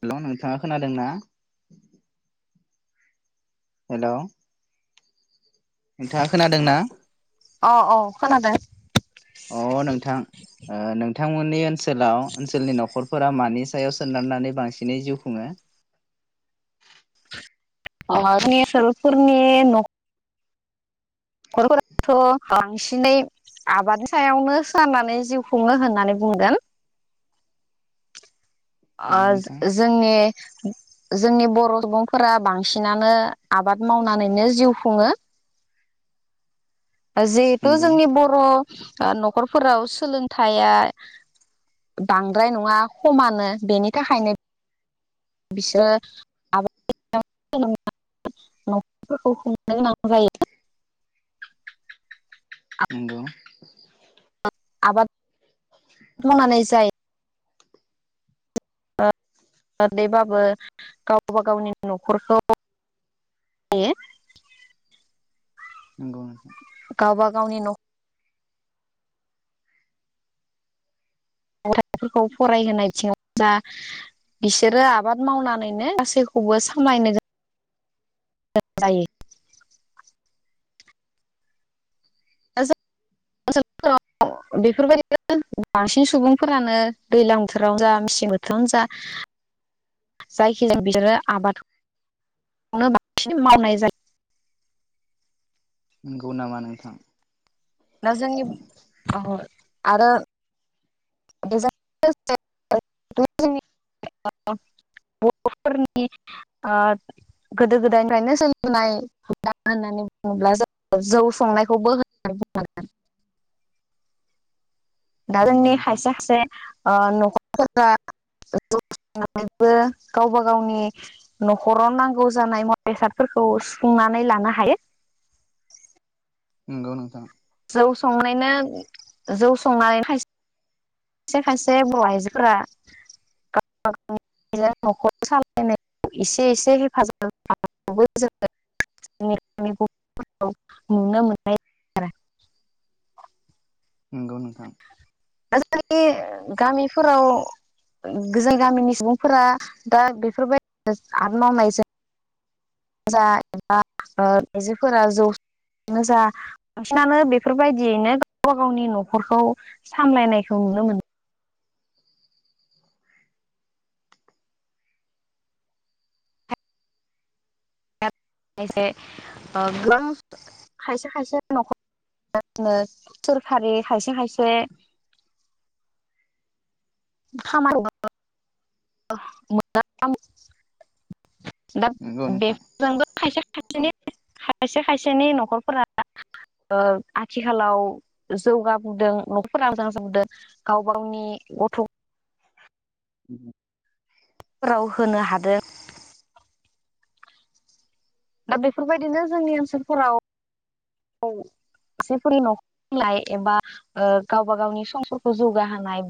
Hello नोंथाङा खोनादों ना हेलौ नोंथाङा खोनादोंना अ औ खोनादों अ नोंथां बिथांमोननि ओनसोलाव ओनसोलनि न'खरफोरा मानि सायाव सोनारनानै बांसिनै जिउ खुङो जोंनि ओनसोलफोरनि न' खरफोराथ' बांसिनै आबादनि सायावनो सोनारनानै जिउ खुङो होननानै बुंगोन नंगौ नोंथां ओ जोंनि जोंनि बर' सुबुंफोरा बांसिनानो आबाद मावनानैनो जिउ खुङो जिहेथु नंगौ जोंनि बर' ओ न'खरफोराव सोलोंथाइया बांद्राय नङा खमानो बेनि थाखायनो बिसोर आबा [unintelligible] नखरफोरखौ खुंनो गोनां जायो नंगौ आबाद मावनानै जाय [unintelligible] बाबो गावबा गावनि न'खरखौ [unintelligible] नंगौ नोंथां गावबा गावनि न' [unintelligible] थाइफोरखौ फरायहोनायथिङाव दा बिसोरो आबाद मावनानैनो गासैखौबो सामायनो [unintelligible] जायो ओनसोलफोराव बेफोरबायदिनो बांसिन सुबुंफोरानो दैजलां बोथोरावनो जा मेसें बोथोरावनो जा जायखि जाया बिसोरो आबादनो बांसिन मावनाय जायो नंगौ नामा नोंथां ना जोंनि [unintelligible] आरो बेजों [unintelligible] बर'फोरनि गोदो गोदायनिफ्रायनो सोलिबोनाय होननानै बुङोब्ला जों जौ संनायखौबो होननांगोन नंगौ नोंथां से ओ न'खरफोरा जौ [unintelligible] नैबो गावबा गावनि न'खराव नांगौ जानाय मुवा बेसादफोरखौ सुफुंनानै लानो हायो। नंगौ नोंथां जौ संनायनो जौ संनानै खायसे खायसे खायसे बर' आइजोफोरा गावबा गावनि न'खर सालायनायाव एसे एसे हेफाजाब [unintelligible] नुनो मोननाय आरो। नंगौ नोंथां दा जोंनि गामिफोराव जों गामिनि सुबुंफोरा दा बेफोरबायदि आबाद मावनायजों जा एबा आइजोफोरा जौ संनाय जा बांसिनानो बेफोरबायदियैनो गावबा गावनि न'खरखौ सामलायनायखौ नुनो मोनो। [unintelligible] खायसे ओ गोबां खायसे खायसे न'खर सोरखारि खायसे खायसे खामायो। [unintelligible] दा नंगौ नोंथां बेजोंबो खायसे खायसेनि खायसे खायसेनि न'खरफोरा ओ आथिखालाव जौगाबोदों न'खरफोरा मोजां जाबदों गाव गावनि गथ' फोराव होनो हादों। दा बेफोरबायदिनो जोंनि ओनसोलफोराव जायफोरनि न'खरफोराव एबा गावबा गावनि समफोरखौ जौगाहोनाय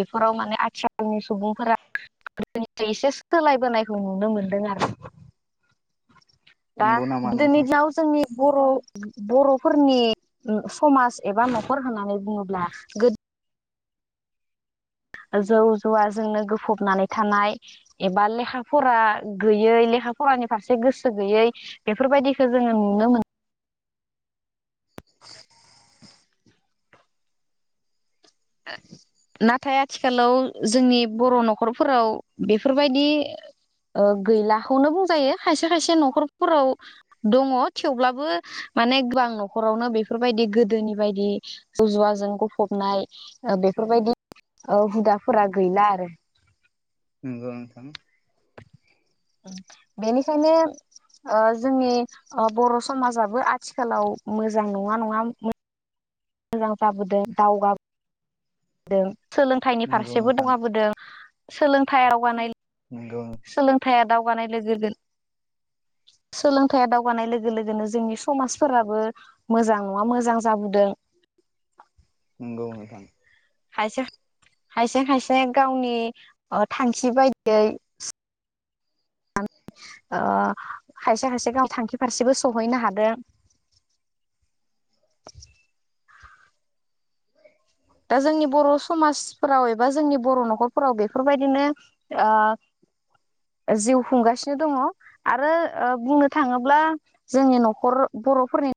बेफोराव माने आथिखालनि सुबुंफोरा गोदोनिफ्राय एसे सोलायबोनायखौ नुनो मोनदों आरो। दा नंगौ नामा [unintelligible] नोंथां जोंनि बर' बर'फोरनि समाज एबा न'खर होननानै बुङोब्ला गोदो जौ जुवाजोंनो गोफबनानै थानाय एबा लेखा फरा गैयै लेखा फरानि फारसे गोसो गैयै बेफोरबायदिखो जोङो नुनो मोनो [inaudible] नाथाय आथिखालाव जोंनि बर' न'खरफोराव बेफोरबायदि गैलाखौनो बुंजायो खायसे खायसे न'खरफोराव दङ थेवब्लाबो माने गोबां न'खरावनो बेफोरबायदि गोदोनि बायदि जौ जुवाजों गफबनाय बेफोरबायदि ओ हुदाफोरा गैला आरो नंगौ नोंथां बेनिखायनो ओ जोंनि बर' समाजाबो आथिखालाव मोजां नङा नङा मोजां जाबोदों दावगाबोदों। सोलोंथाइनि नंगौ फारसेबो नोंथां दावगाबोदों। सोलोंथाइ आवगानाय नंगौ दावगानाय लोगो [unintelligible] सोलोंथाया दावगानाय लोगो लोगोनो जोंनि समाजफोराबो मोजां नङा मोजां जाबोदों। नंगौ नोथां खायसे खायसे खायसे गावनि थांखि बायदियै ओ खायसे खायसे गाव थांखि फारसेबो सहैनो हादों। दा जोंनि बर' समाजफोराव एबा जोंनि बर' न'खरफोराव बेफोरबायदिनो जिउ खुंगासिनो दङ आरो बुंनो थाङोब्ला जोंनि न'खर बर'फोरनि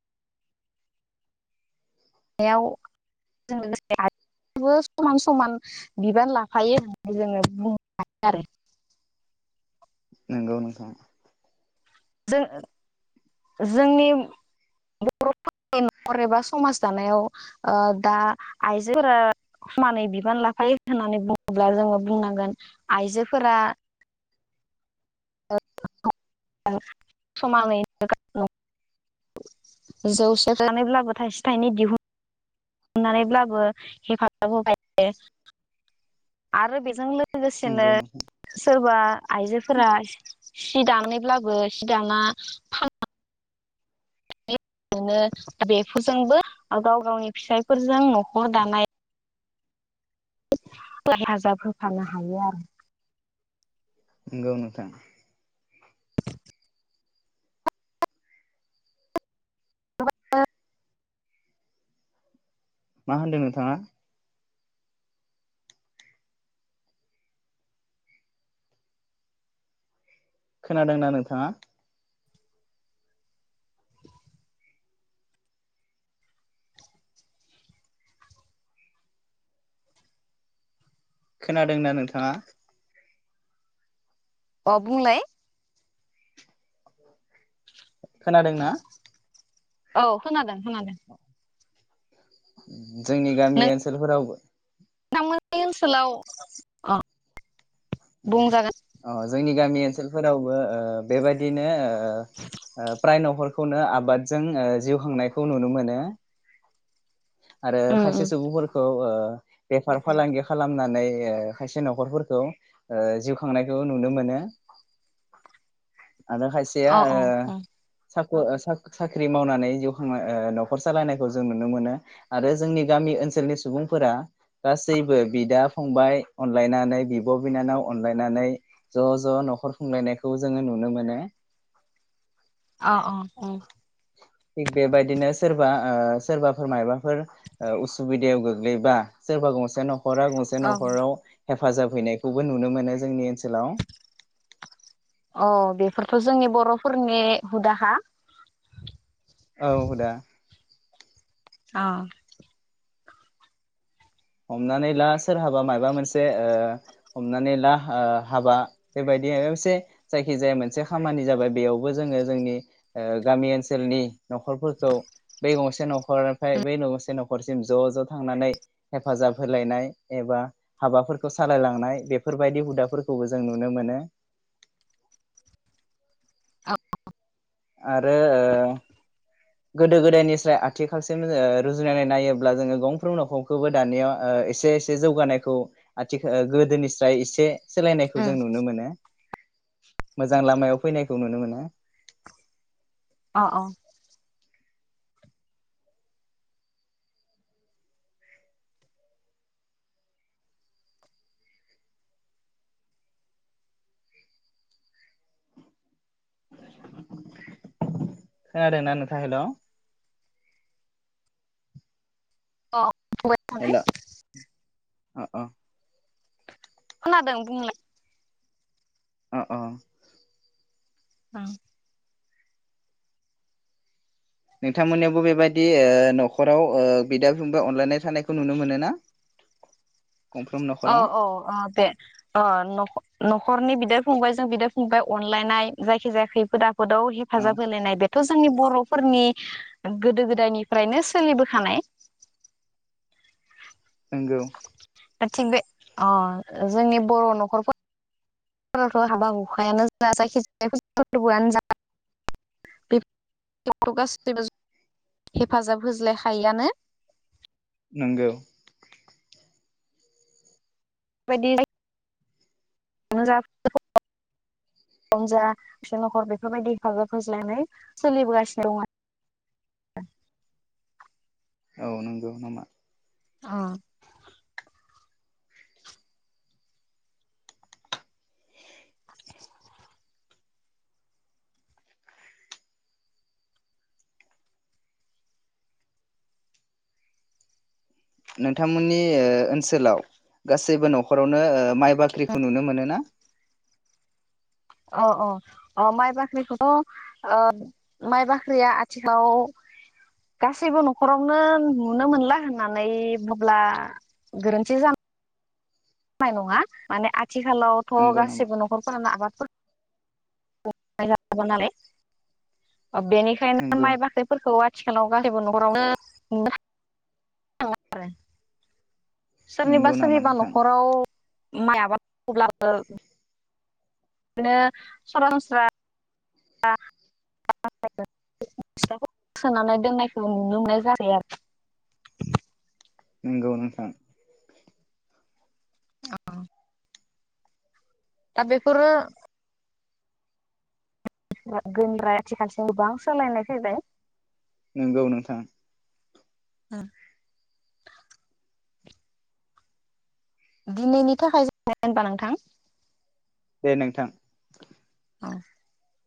न'खर सालायनायाव लोगोसे आयजोफोराबो समान समान बिबान लाफायो होननानै जोङो बुंनो हायो आरो। नोंगौ नोंथां जों जोंनि बर'फोरनि न'खर एबा समाज दानायाव ओ दा आइजोफोरा समानै बिबान लाफायो होननानै बुङोब्ला जोङो बुंनांगोन आइजोफोरा समानैनो [unintelligible] जौ सेरनानैब्लाबो थाइसे थाइनै दिहुन नानैब्लाबो हेफाजाब होबायो। आरो बेजों लोगोसेनो नंगौ नोंथां सोरबा आइजोफोरा सि दानैब्लाबो सि दाना फान नानै दा बेफोरजोंबो गाव गावनि फिसायफोरजों न'खर दानाय हेफाजाब होफानो हायो आरो। नोंगौ नोंथां [inaudible] [unintelligible] मा होनदों नोंथाङा? खोनादों ना नोंथाङा? खोनादोंना नोंथाङा? अ बुंलाय? खोनादोंना? औ खोनादों। खोनादो। उम। जोंनि गामि ओनसोलफोरावबो थांमोननि ओनसोलाव अ। बुंजागोन अ जोंनि गामि ओनसोलफोरावबो ओ बेबादिनो ओ ओ ओ प्राय नखर खौनो आबादजों ओ जिउ खांनायखौ नुनो मोनो। आरो उम खायसे उम सुबुंफोरखौ ओ बेफार फालांगि खालामनानै ओ खायसे न'खरफोरखौ जिउ खांनायखौ नुनो मोनो। आरो खायसेया अ ओ अ साख ओ साख साख्रि मावनानै जिउ खांनाय ओ न'खर सालायनायखौ जों नुनो मोनो। आरो जोंनि गामि ओनसोलनि सुबुंफोरा गासैबो बिदा फंबाय अनलायनानै बिब' बिनानाव अनलायनानै ज' ज' न'खर खुंलायनायखौ जोङो नुनो मोनो। अ अ ओं। थिग बेबायदिनो सोरबा ओ सोरबाफोर मायबाफोर ओ उसुबिदायाव गोग्लैबा सोरबा गंसे न न'खरा गंसे अ न'खराव हेफाजाब हैनायखौबो नुनो मोनो जोंनि ओनसोलाव। औ बेफोरथ' जोंनि बर'फोरनि हुदाखा। औ हुदा। अ हमनानै ला सोरहाबा माबा मोनसे ओ हमनानै ला ओ हाबा बेबायदि माबा मोनसे जायखिजाया मोनसे खामानि जाबाय बेयावबो जोङो जोंनि ओ गामि ओनसोलनि न'खरफोरखौ बै गंसे न'खरनिफ्राय बै गंसे न'खरसिम ज' ज' थांनानै हेफाजाब होलायनाय एबा हाबाफोरखौ सालायलांनाय बेफोरबायदि हुदाफोरखौबो जों नुनो मोनो। आरो ओ गोदो गोदायनिफ्राय आथिखालसिम ओ रुजुनानै नायोब्ला जोङो गंफ्रोम न'खरखौबो दानियाव ओ एसे एसे जौगानायखौ आथि ओ गोदोनिस्राय एसे सोलायनायखौ जों अ नुनो मोनो। मोजां लामायाव फैनायखौ नुनो मोनो। अ औ। खोनादों ना नोंथां हेल'? अ। हेल' [unintelligible] अ अ। खोनादोंं बुंलाय? अ अ। ओं नोंथांमोननियावबो बेबाय बिदि ओ नखराव ओ बिदा फंबाय अनलायनाय थानायखौ नुनो मोनोना? अ अ अ दे अ नख न खरनि बिदा फंबायजों बिदा फंबाय अनलायनाय जायखि जाया खैफोद आ फोदाव औ हेफाजाब होलायनाय बेथ' जोंनि बर'फोरनि गोदो गोदायनिफ्रायनो सोलिबोखानाय। नोंगौ। दा थिग बे अ जोंनि बर' न'खरफो रावथ' हाबा हुखायानो जोंना जायखिजाया [unintelligible] फोर्बोआनो जा [unintelligible] बे नखराव गासैबो हेफाजाब होज्लायखायोआनो। नोंगौ बेफोरबादि जा [unintelligible] जा बेफोरबायदि हेफाजाब होज्लायनाय सोलिबोगासिनो दं आ [unintelligible] औ नंगौ नामा? अ। [unintelligible] नोंथांमोननि ओनसोलाव गासैबो नखरावनो ओ माइ बाख्रिखौ नुनो मोनो ना? अ अ अ माइ बाख्रिखौथ' ओ माइ बाख्रिया आथिखालाव गासैबो नखरावनो नुनो मोनला होननानै बुंब्ला गोरोन्थि जा नाय नङा। माने आ थिखालावथ' नंगौ नामा गासैबो नखरफोरानो आबाद [inaudible] नालाय। ओ बेनिखायनो नंगौ माइ बाख्रिफोरखौहाय आथिखालाव गासैबो नखरावनो [inaudible] आरो। सोरनिबा नंगौ नामा सोरनिबा नोंथां नखराव माइ आबाद [unintelligible] ब्लाबो बिदिनो सरासनस्रा [inaudible] सोनानै दोननायखौ नुनो मोननाय जायो आरो खि। नोंगौ नोंथां। औ। दा बेफोरो गोनद्राया आथिखालसिम गोबां सोलायनाय फैबाय। नोंगौ नोंथां। औ। दिनैनि थाखाय जा [unintelligible] होनबा नोंथां? दे नोंथां। [inaudible]